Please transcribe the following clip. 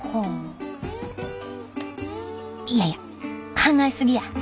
いやいや考え過ぎや。